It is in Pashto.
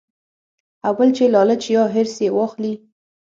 او بل چې لالچ يا حرص ئې واخلي -